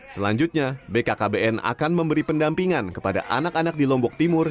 selanjutnya bkkbn akan memberi pendampingan kepada anak anak di lombok timur